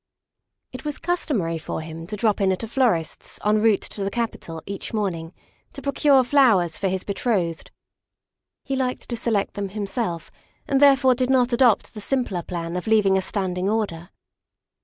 It was customary for him to drop in at a florist's en route to the Capitol each morning to procure flowers for his betrothed. He liked to select them himself, and therefore did not adopt the simpler plan of leaving a standing order.